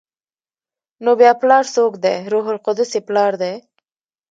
نو بیا پلار څوک دی؟ روح القدس یې پلار دی؟